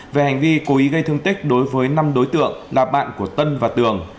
về hành vi cố ý gây thương tích đối với năm đối tượng là bạn của tân và tường